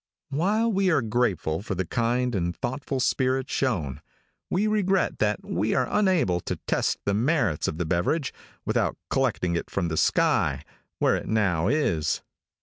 While we are grateful for the kind and thoughtful spirit shown, we regret that we were unable to test the merits of the beverage without collecting it from the sky, where it now is.